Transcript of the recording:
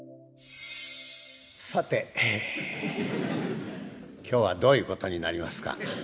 さてえ今日はどういうことになりますか